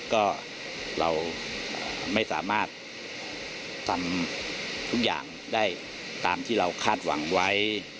ก็เราไม่สามารถทำทุกอย่างได้ตามที่เราคาดหวังไว้